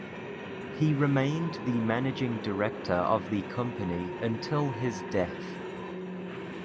He remained the managing director of the company until his death.